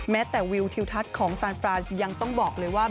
แต่วิวทิวทัศน์ของซานฟรานซ์ยังต้องบอกเลยว่า